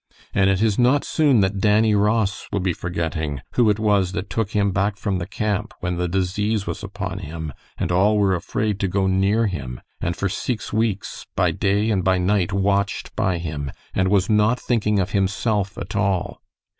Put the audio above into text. And it is not soon that Dannie Ross will be forgetting who it was that took him back from the camp when the disease was upon him and all were afraid to go near him, and for seex weeks, by day and by night, watched by him and was not thinking of himself at all.